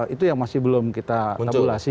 itu yang masih belum kita tabulasi